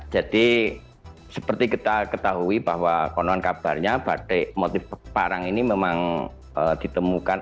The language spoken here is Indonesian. jadi seperti kita ketahui bahwa konon kabarnya batik motif parang ini memang ditemukan